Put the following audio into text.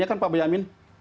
ya kan pak boyamin